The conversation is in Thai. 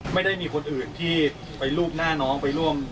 ไม่ได้มีคนอื่นที่ไปรูปหน้าน้องไปร่วม